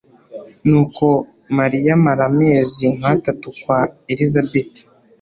nuko mariya amara amezi nk atatu kwa elizabeti